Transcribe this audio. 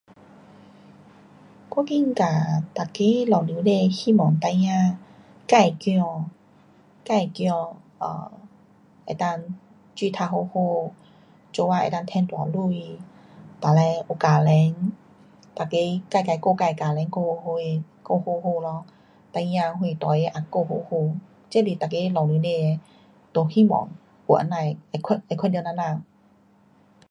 我觉得每个老母亲希望孩儿，自的儿，自的儿，能够书读好好，做工能够赚大钱，哒嘞有家庭，每个自自顾自家庭顾好好的。顾好好咯，孩儿大个也顾好好。这是每个老母亲都希望有那呐的，会看到那呐。